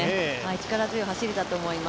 力強い走りだと思います。